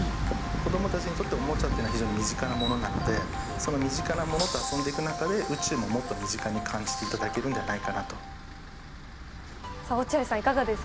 子どもたちにとって、おもちゃというのは非常に身近なものなので、その身近なものと遊んでいく中で、宇宙ももっと身近に感じていただけるんじゃないかさあ、落合さん、いかがです